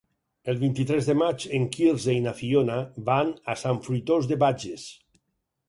El vint-i-tres de maig en Quirze i na Fiona van a Sant Fruitós de Bages.